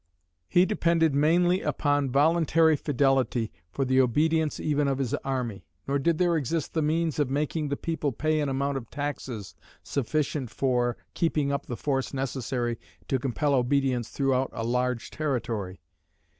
He depended mainly upon voluntary fidelity for the obedience even of his army, nor did there exist the means of making the people pay an amount of taxes sufficient for keeping up the force necessary to compel obedience throughout a large territory.